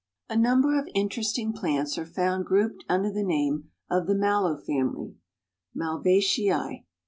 A number of interesting plants are found grouped under the name of the Mallow Family (Malvaceae).